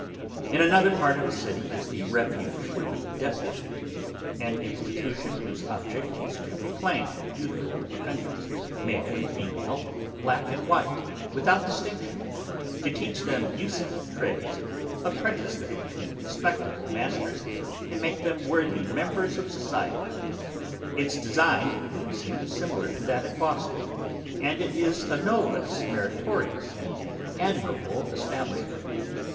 In another part of the city, is the Refuge for the Destitute: an Institution whose object is to reclaim youthful offenders, male and female, black and white, without distinction; to teach them useful trades, apprentice them to respectable masters, and make them worthy members of society. Its design, it will be seen, is similar to that at Boston; and it is a no less meritorious and admirable establishment.